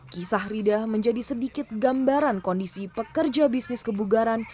kisah rida menjadi sedikit gambaran kondisi pekerja bisnis kebugaran